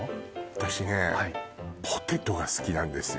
私ねポテトが好きなんですよ